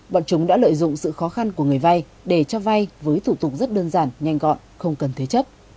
bọn chúng đã lợi dụng sự khó khăn của người vay để cho vay với thủ tục rất đơn giản nhanh gọn không cần thế chấp